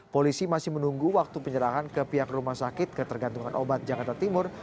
polisi masih menunggu waktu penyerangan ke pihak rumah sakit ketergantungan obat jakarta timur